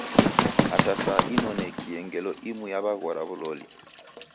Hata saa inonekie ngelo imu yaweghora wuloli.